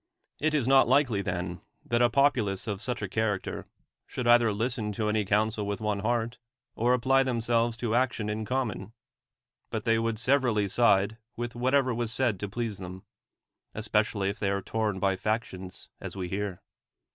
It is not likely, then, that a popu lace of such a character should either listen to any counsel with one heart, or apply themselves to action in common ; but they would severally side Avith whatever was said to please them ; es pecially if they are torn by factions, as we hear.